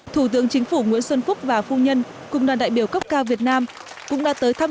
thủ tướng chính phủ nguyễn xuân phúc và phu nhân cùng đoàn đại biểu cấp cao việt nam cũng đã tới thăm